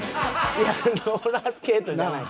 いやローラースケートじゃない。